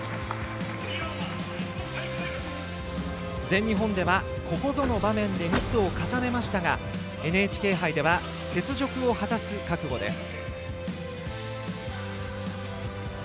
全日本では、ここぞの場面でミスを重ねましたがＮＨＫ杯では雪辱を果たす覚悟です。